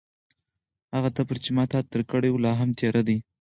هغه تبر چې ما تاته درکړی و، لا هم تېره دی؟